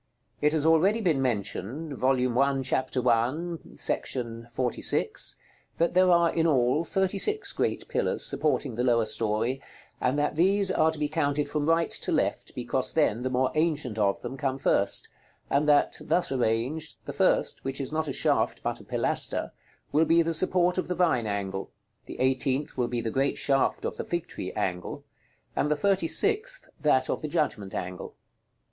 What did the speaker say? It has already been mentioned (Vol. I. Chap. I. § XLVI.) that there are, in all, thirty six great pillars supporting the lower story; and that these are to be counted from right to left, because then the more ancient of them come first: and that, thus arranged, the first, which is not a shaft, but a pilaster, will be the support of the Vine angle; the eighteenth will be the great shaft of the Fig tree angle; and the thirty sixth, that of the Judgment angle.